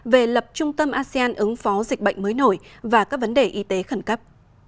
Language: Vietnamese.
về lập trung tâm asean ứng phó dịch bệnh mới nổi và các vấn đề y tế khẩn cấp